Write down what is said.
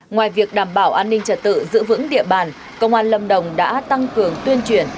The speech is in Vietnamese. ngoài việc đảm bảo an ninh trật tự giữ vững địa bàn công an lâm đồng đã tăng cường tuyên truyền